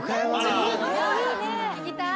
聞きたい！